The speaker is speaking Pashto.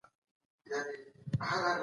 د ولسمشر دفتر ته د خلګو ږغ رسید.